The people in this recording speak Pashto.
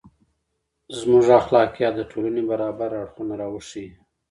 • زموږ اخلاقیات د ټولنې برابر اړخونه راوښيي.